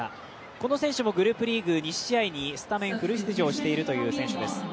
この選手もグループリーグ２試合にスタメンフル出場しているという選手です。